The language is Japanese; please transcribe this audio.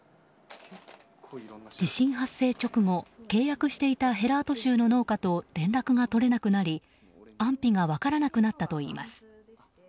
地震発生直後、契約していたヘラート州の農家と連絡が取れなくなり、安否が分からなくなったといいます。